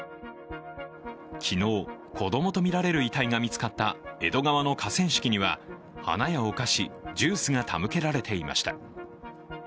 昨日、子供とみられる痛いが見つかった江戸川の河川敷には花やお菓子、ジュースが手向けられていました。